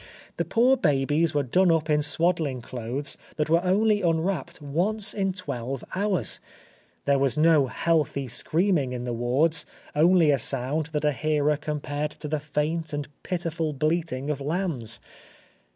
The poor babies were done up in swaddling clothes that were only unwrapped once in twelve hours. There was no healthy screaming in the wards, only a sound that a hearer compared to the faint and pitiful bleating of lambs.